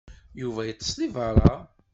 Yuba yeṭṭes deg beṛṛa.